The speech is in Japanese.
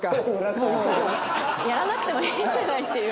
もうやらなくてもいいんじゃないっていう。